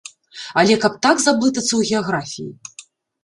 Але каб так заблытацца ў геаграфіі!